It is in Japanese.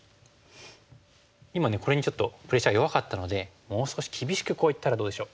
今これにちょっとプレッシャー弱かったのでもう少し厳しくこういったらどうでしょう？